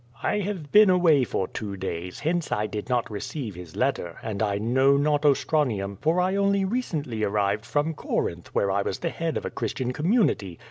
'* "I have been away for two days, hence. I did not receive his letter, and I know not Ostranium for I only recently arrived from Corinth, where I was the head of a Christian commu nity.